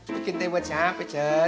bikin teh buat siapa cen